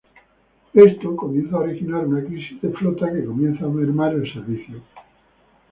Esto comienza a originar una crisis de flota que comienza a mermar el servicio.